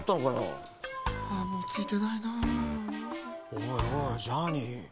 おいおいジャーニー。